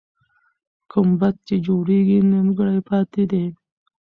ګمبد چې جوړېږي، نیمګړی پاتې دی.